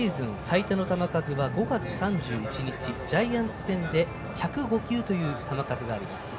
今シーズン５月３１日、ジャイアンツ戦で１０５球という球数があります。